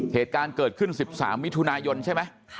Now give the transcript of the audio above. เหตุการณ์เกิดขึ้น๑๓มิถุนายนใช่ไหม